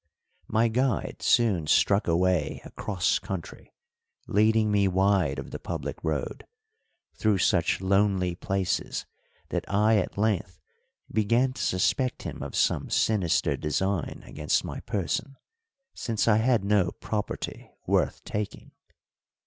My guide soon struck away across country, leading me wide of the public road, through such lonely places that I at length began to suspect him of some sinister design against my person, since I had no property worth taking.